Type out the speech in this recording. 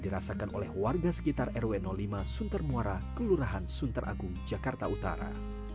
rasakan oleh warga sekitar rw lima suntermuara kelurahan sunteragung jakarta utara